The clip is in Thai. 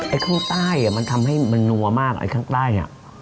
ไอ้ข้างใต้อ่ะมันทำให้มันนัวมากไอ้ข้างใต้เนี่ย